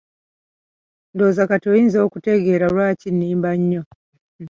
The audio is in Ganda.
Ndowooza kati oyinza okutegeera lwaki nnimba nnyo.